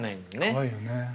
怖いよね。